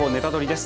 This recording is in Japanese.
です。